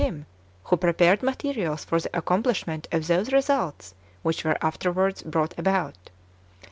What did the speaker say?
referred to liim who prepared materials for tlie accomplish ment of those results which were afterwards brouMit about.